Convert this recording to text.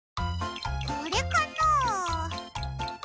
これかな？